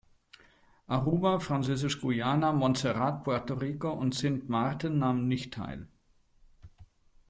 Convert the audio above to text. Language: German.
Aruba, Französisch-Guayana, Montserrat, Puerto Rico und Sint Maarten nahmen nicht teil.